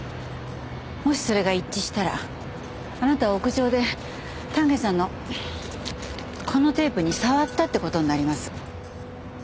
もしそれが一致したらあなたは屋上で丹下さんのこのテープに触ったって事になります。